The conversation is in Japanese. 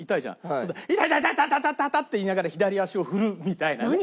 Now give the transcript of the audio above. そうするとイタタタタ！って言いながら左足を振るみたいな。何？